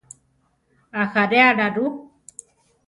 ¿Ajaréala rú?